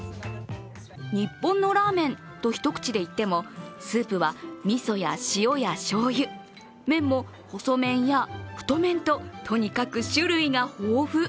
日本のラーメンと一口でいっても、スープはみそや塩やしょうゆ、麺も細麺や太麺と、とにかく種類が豊富。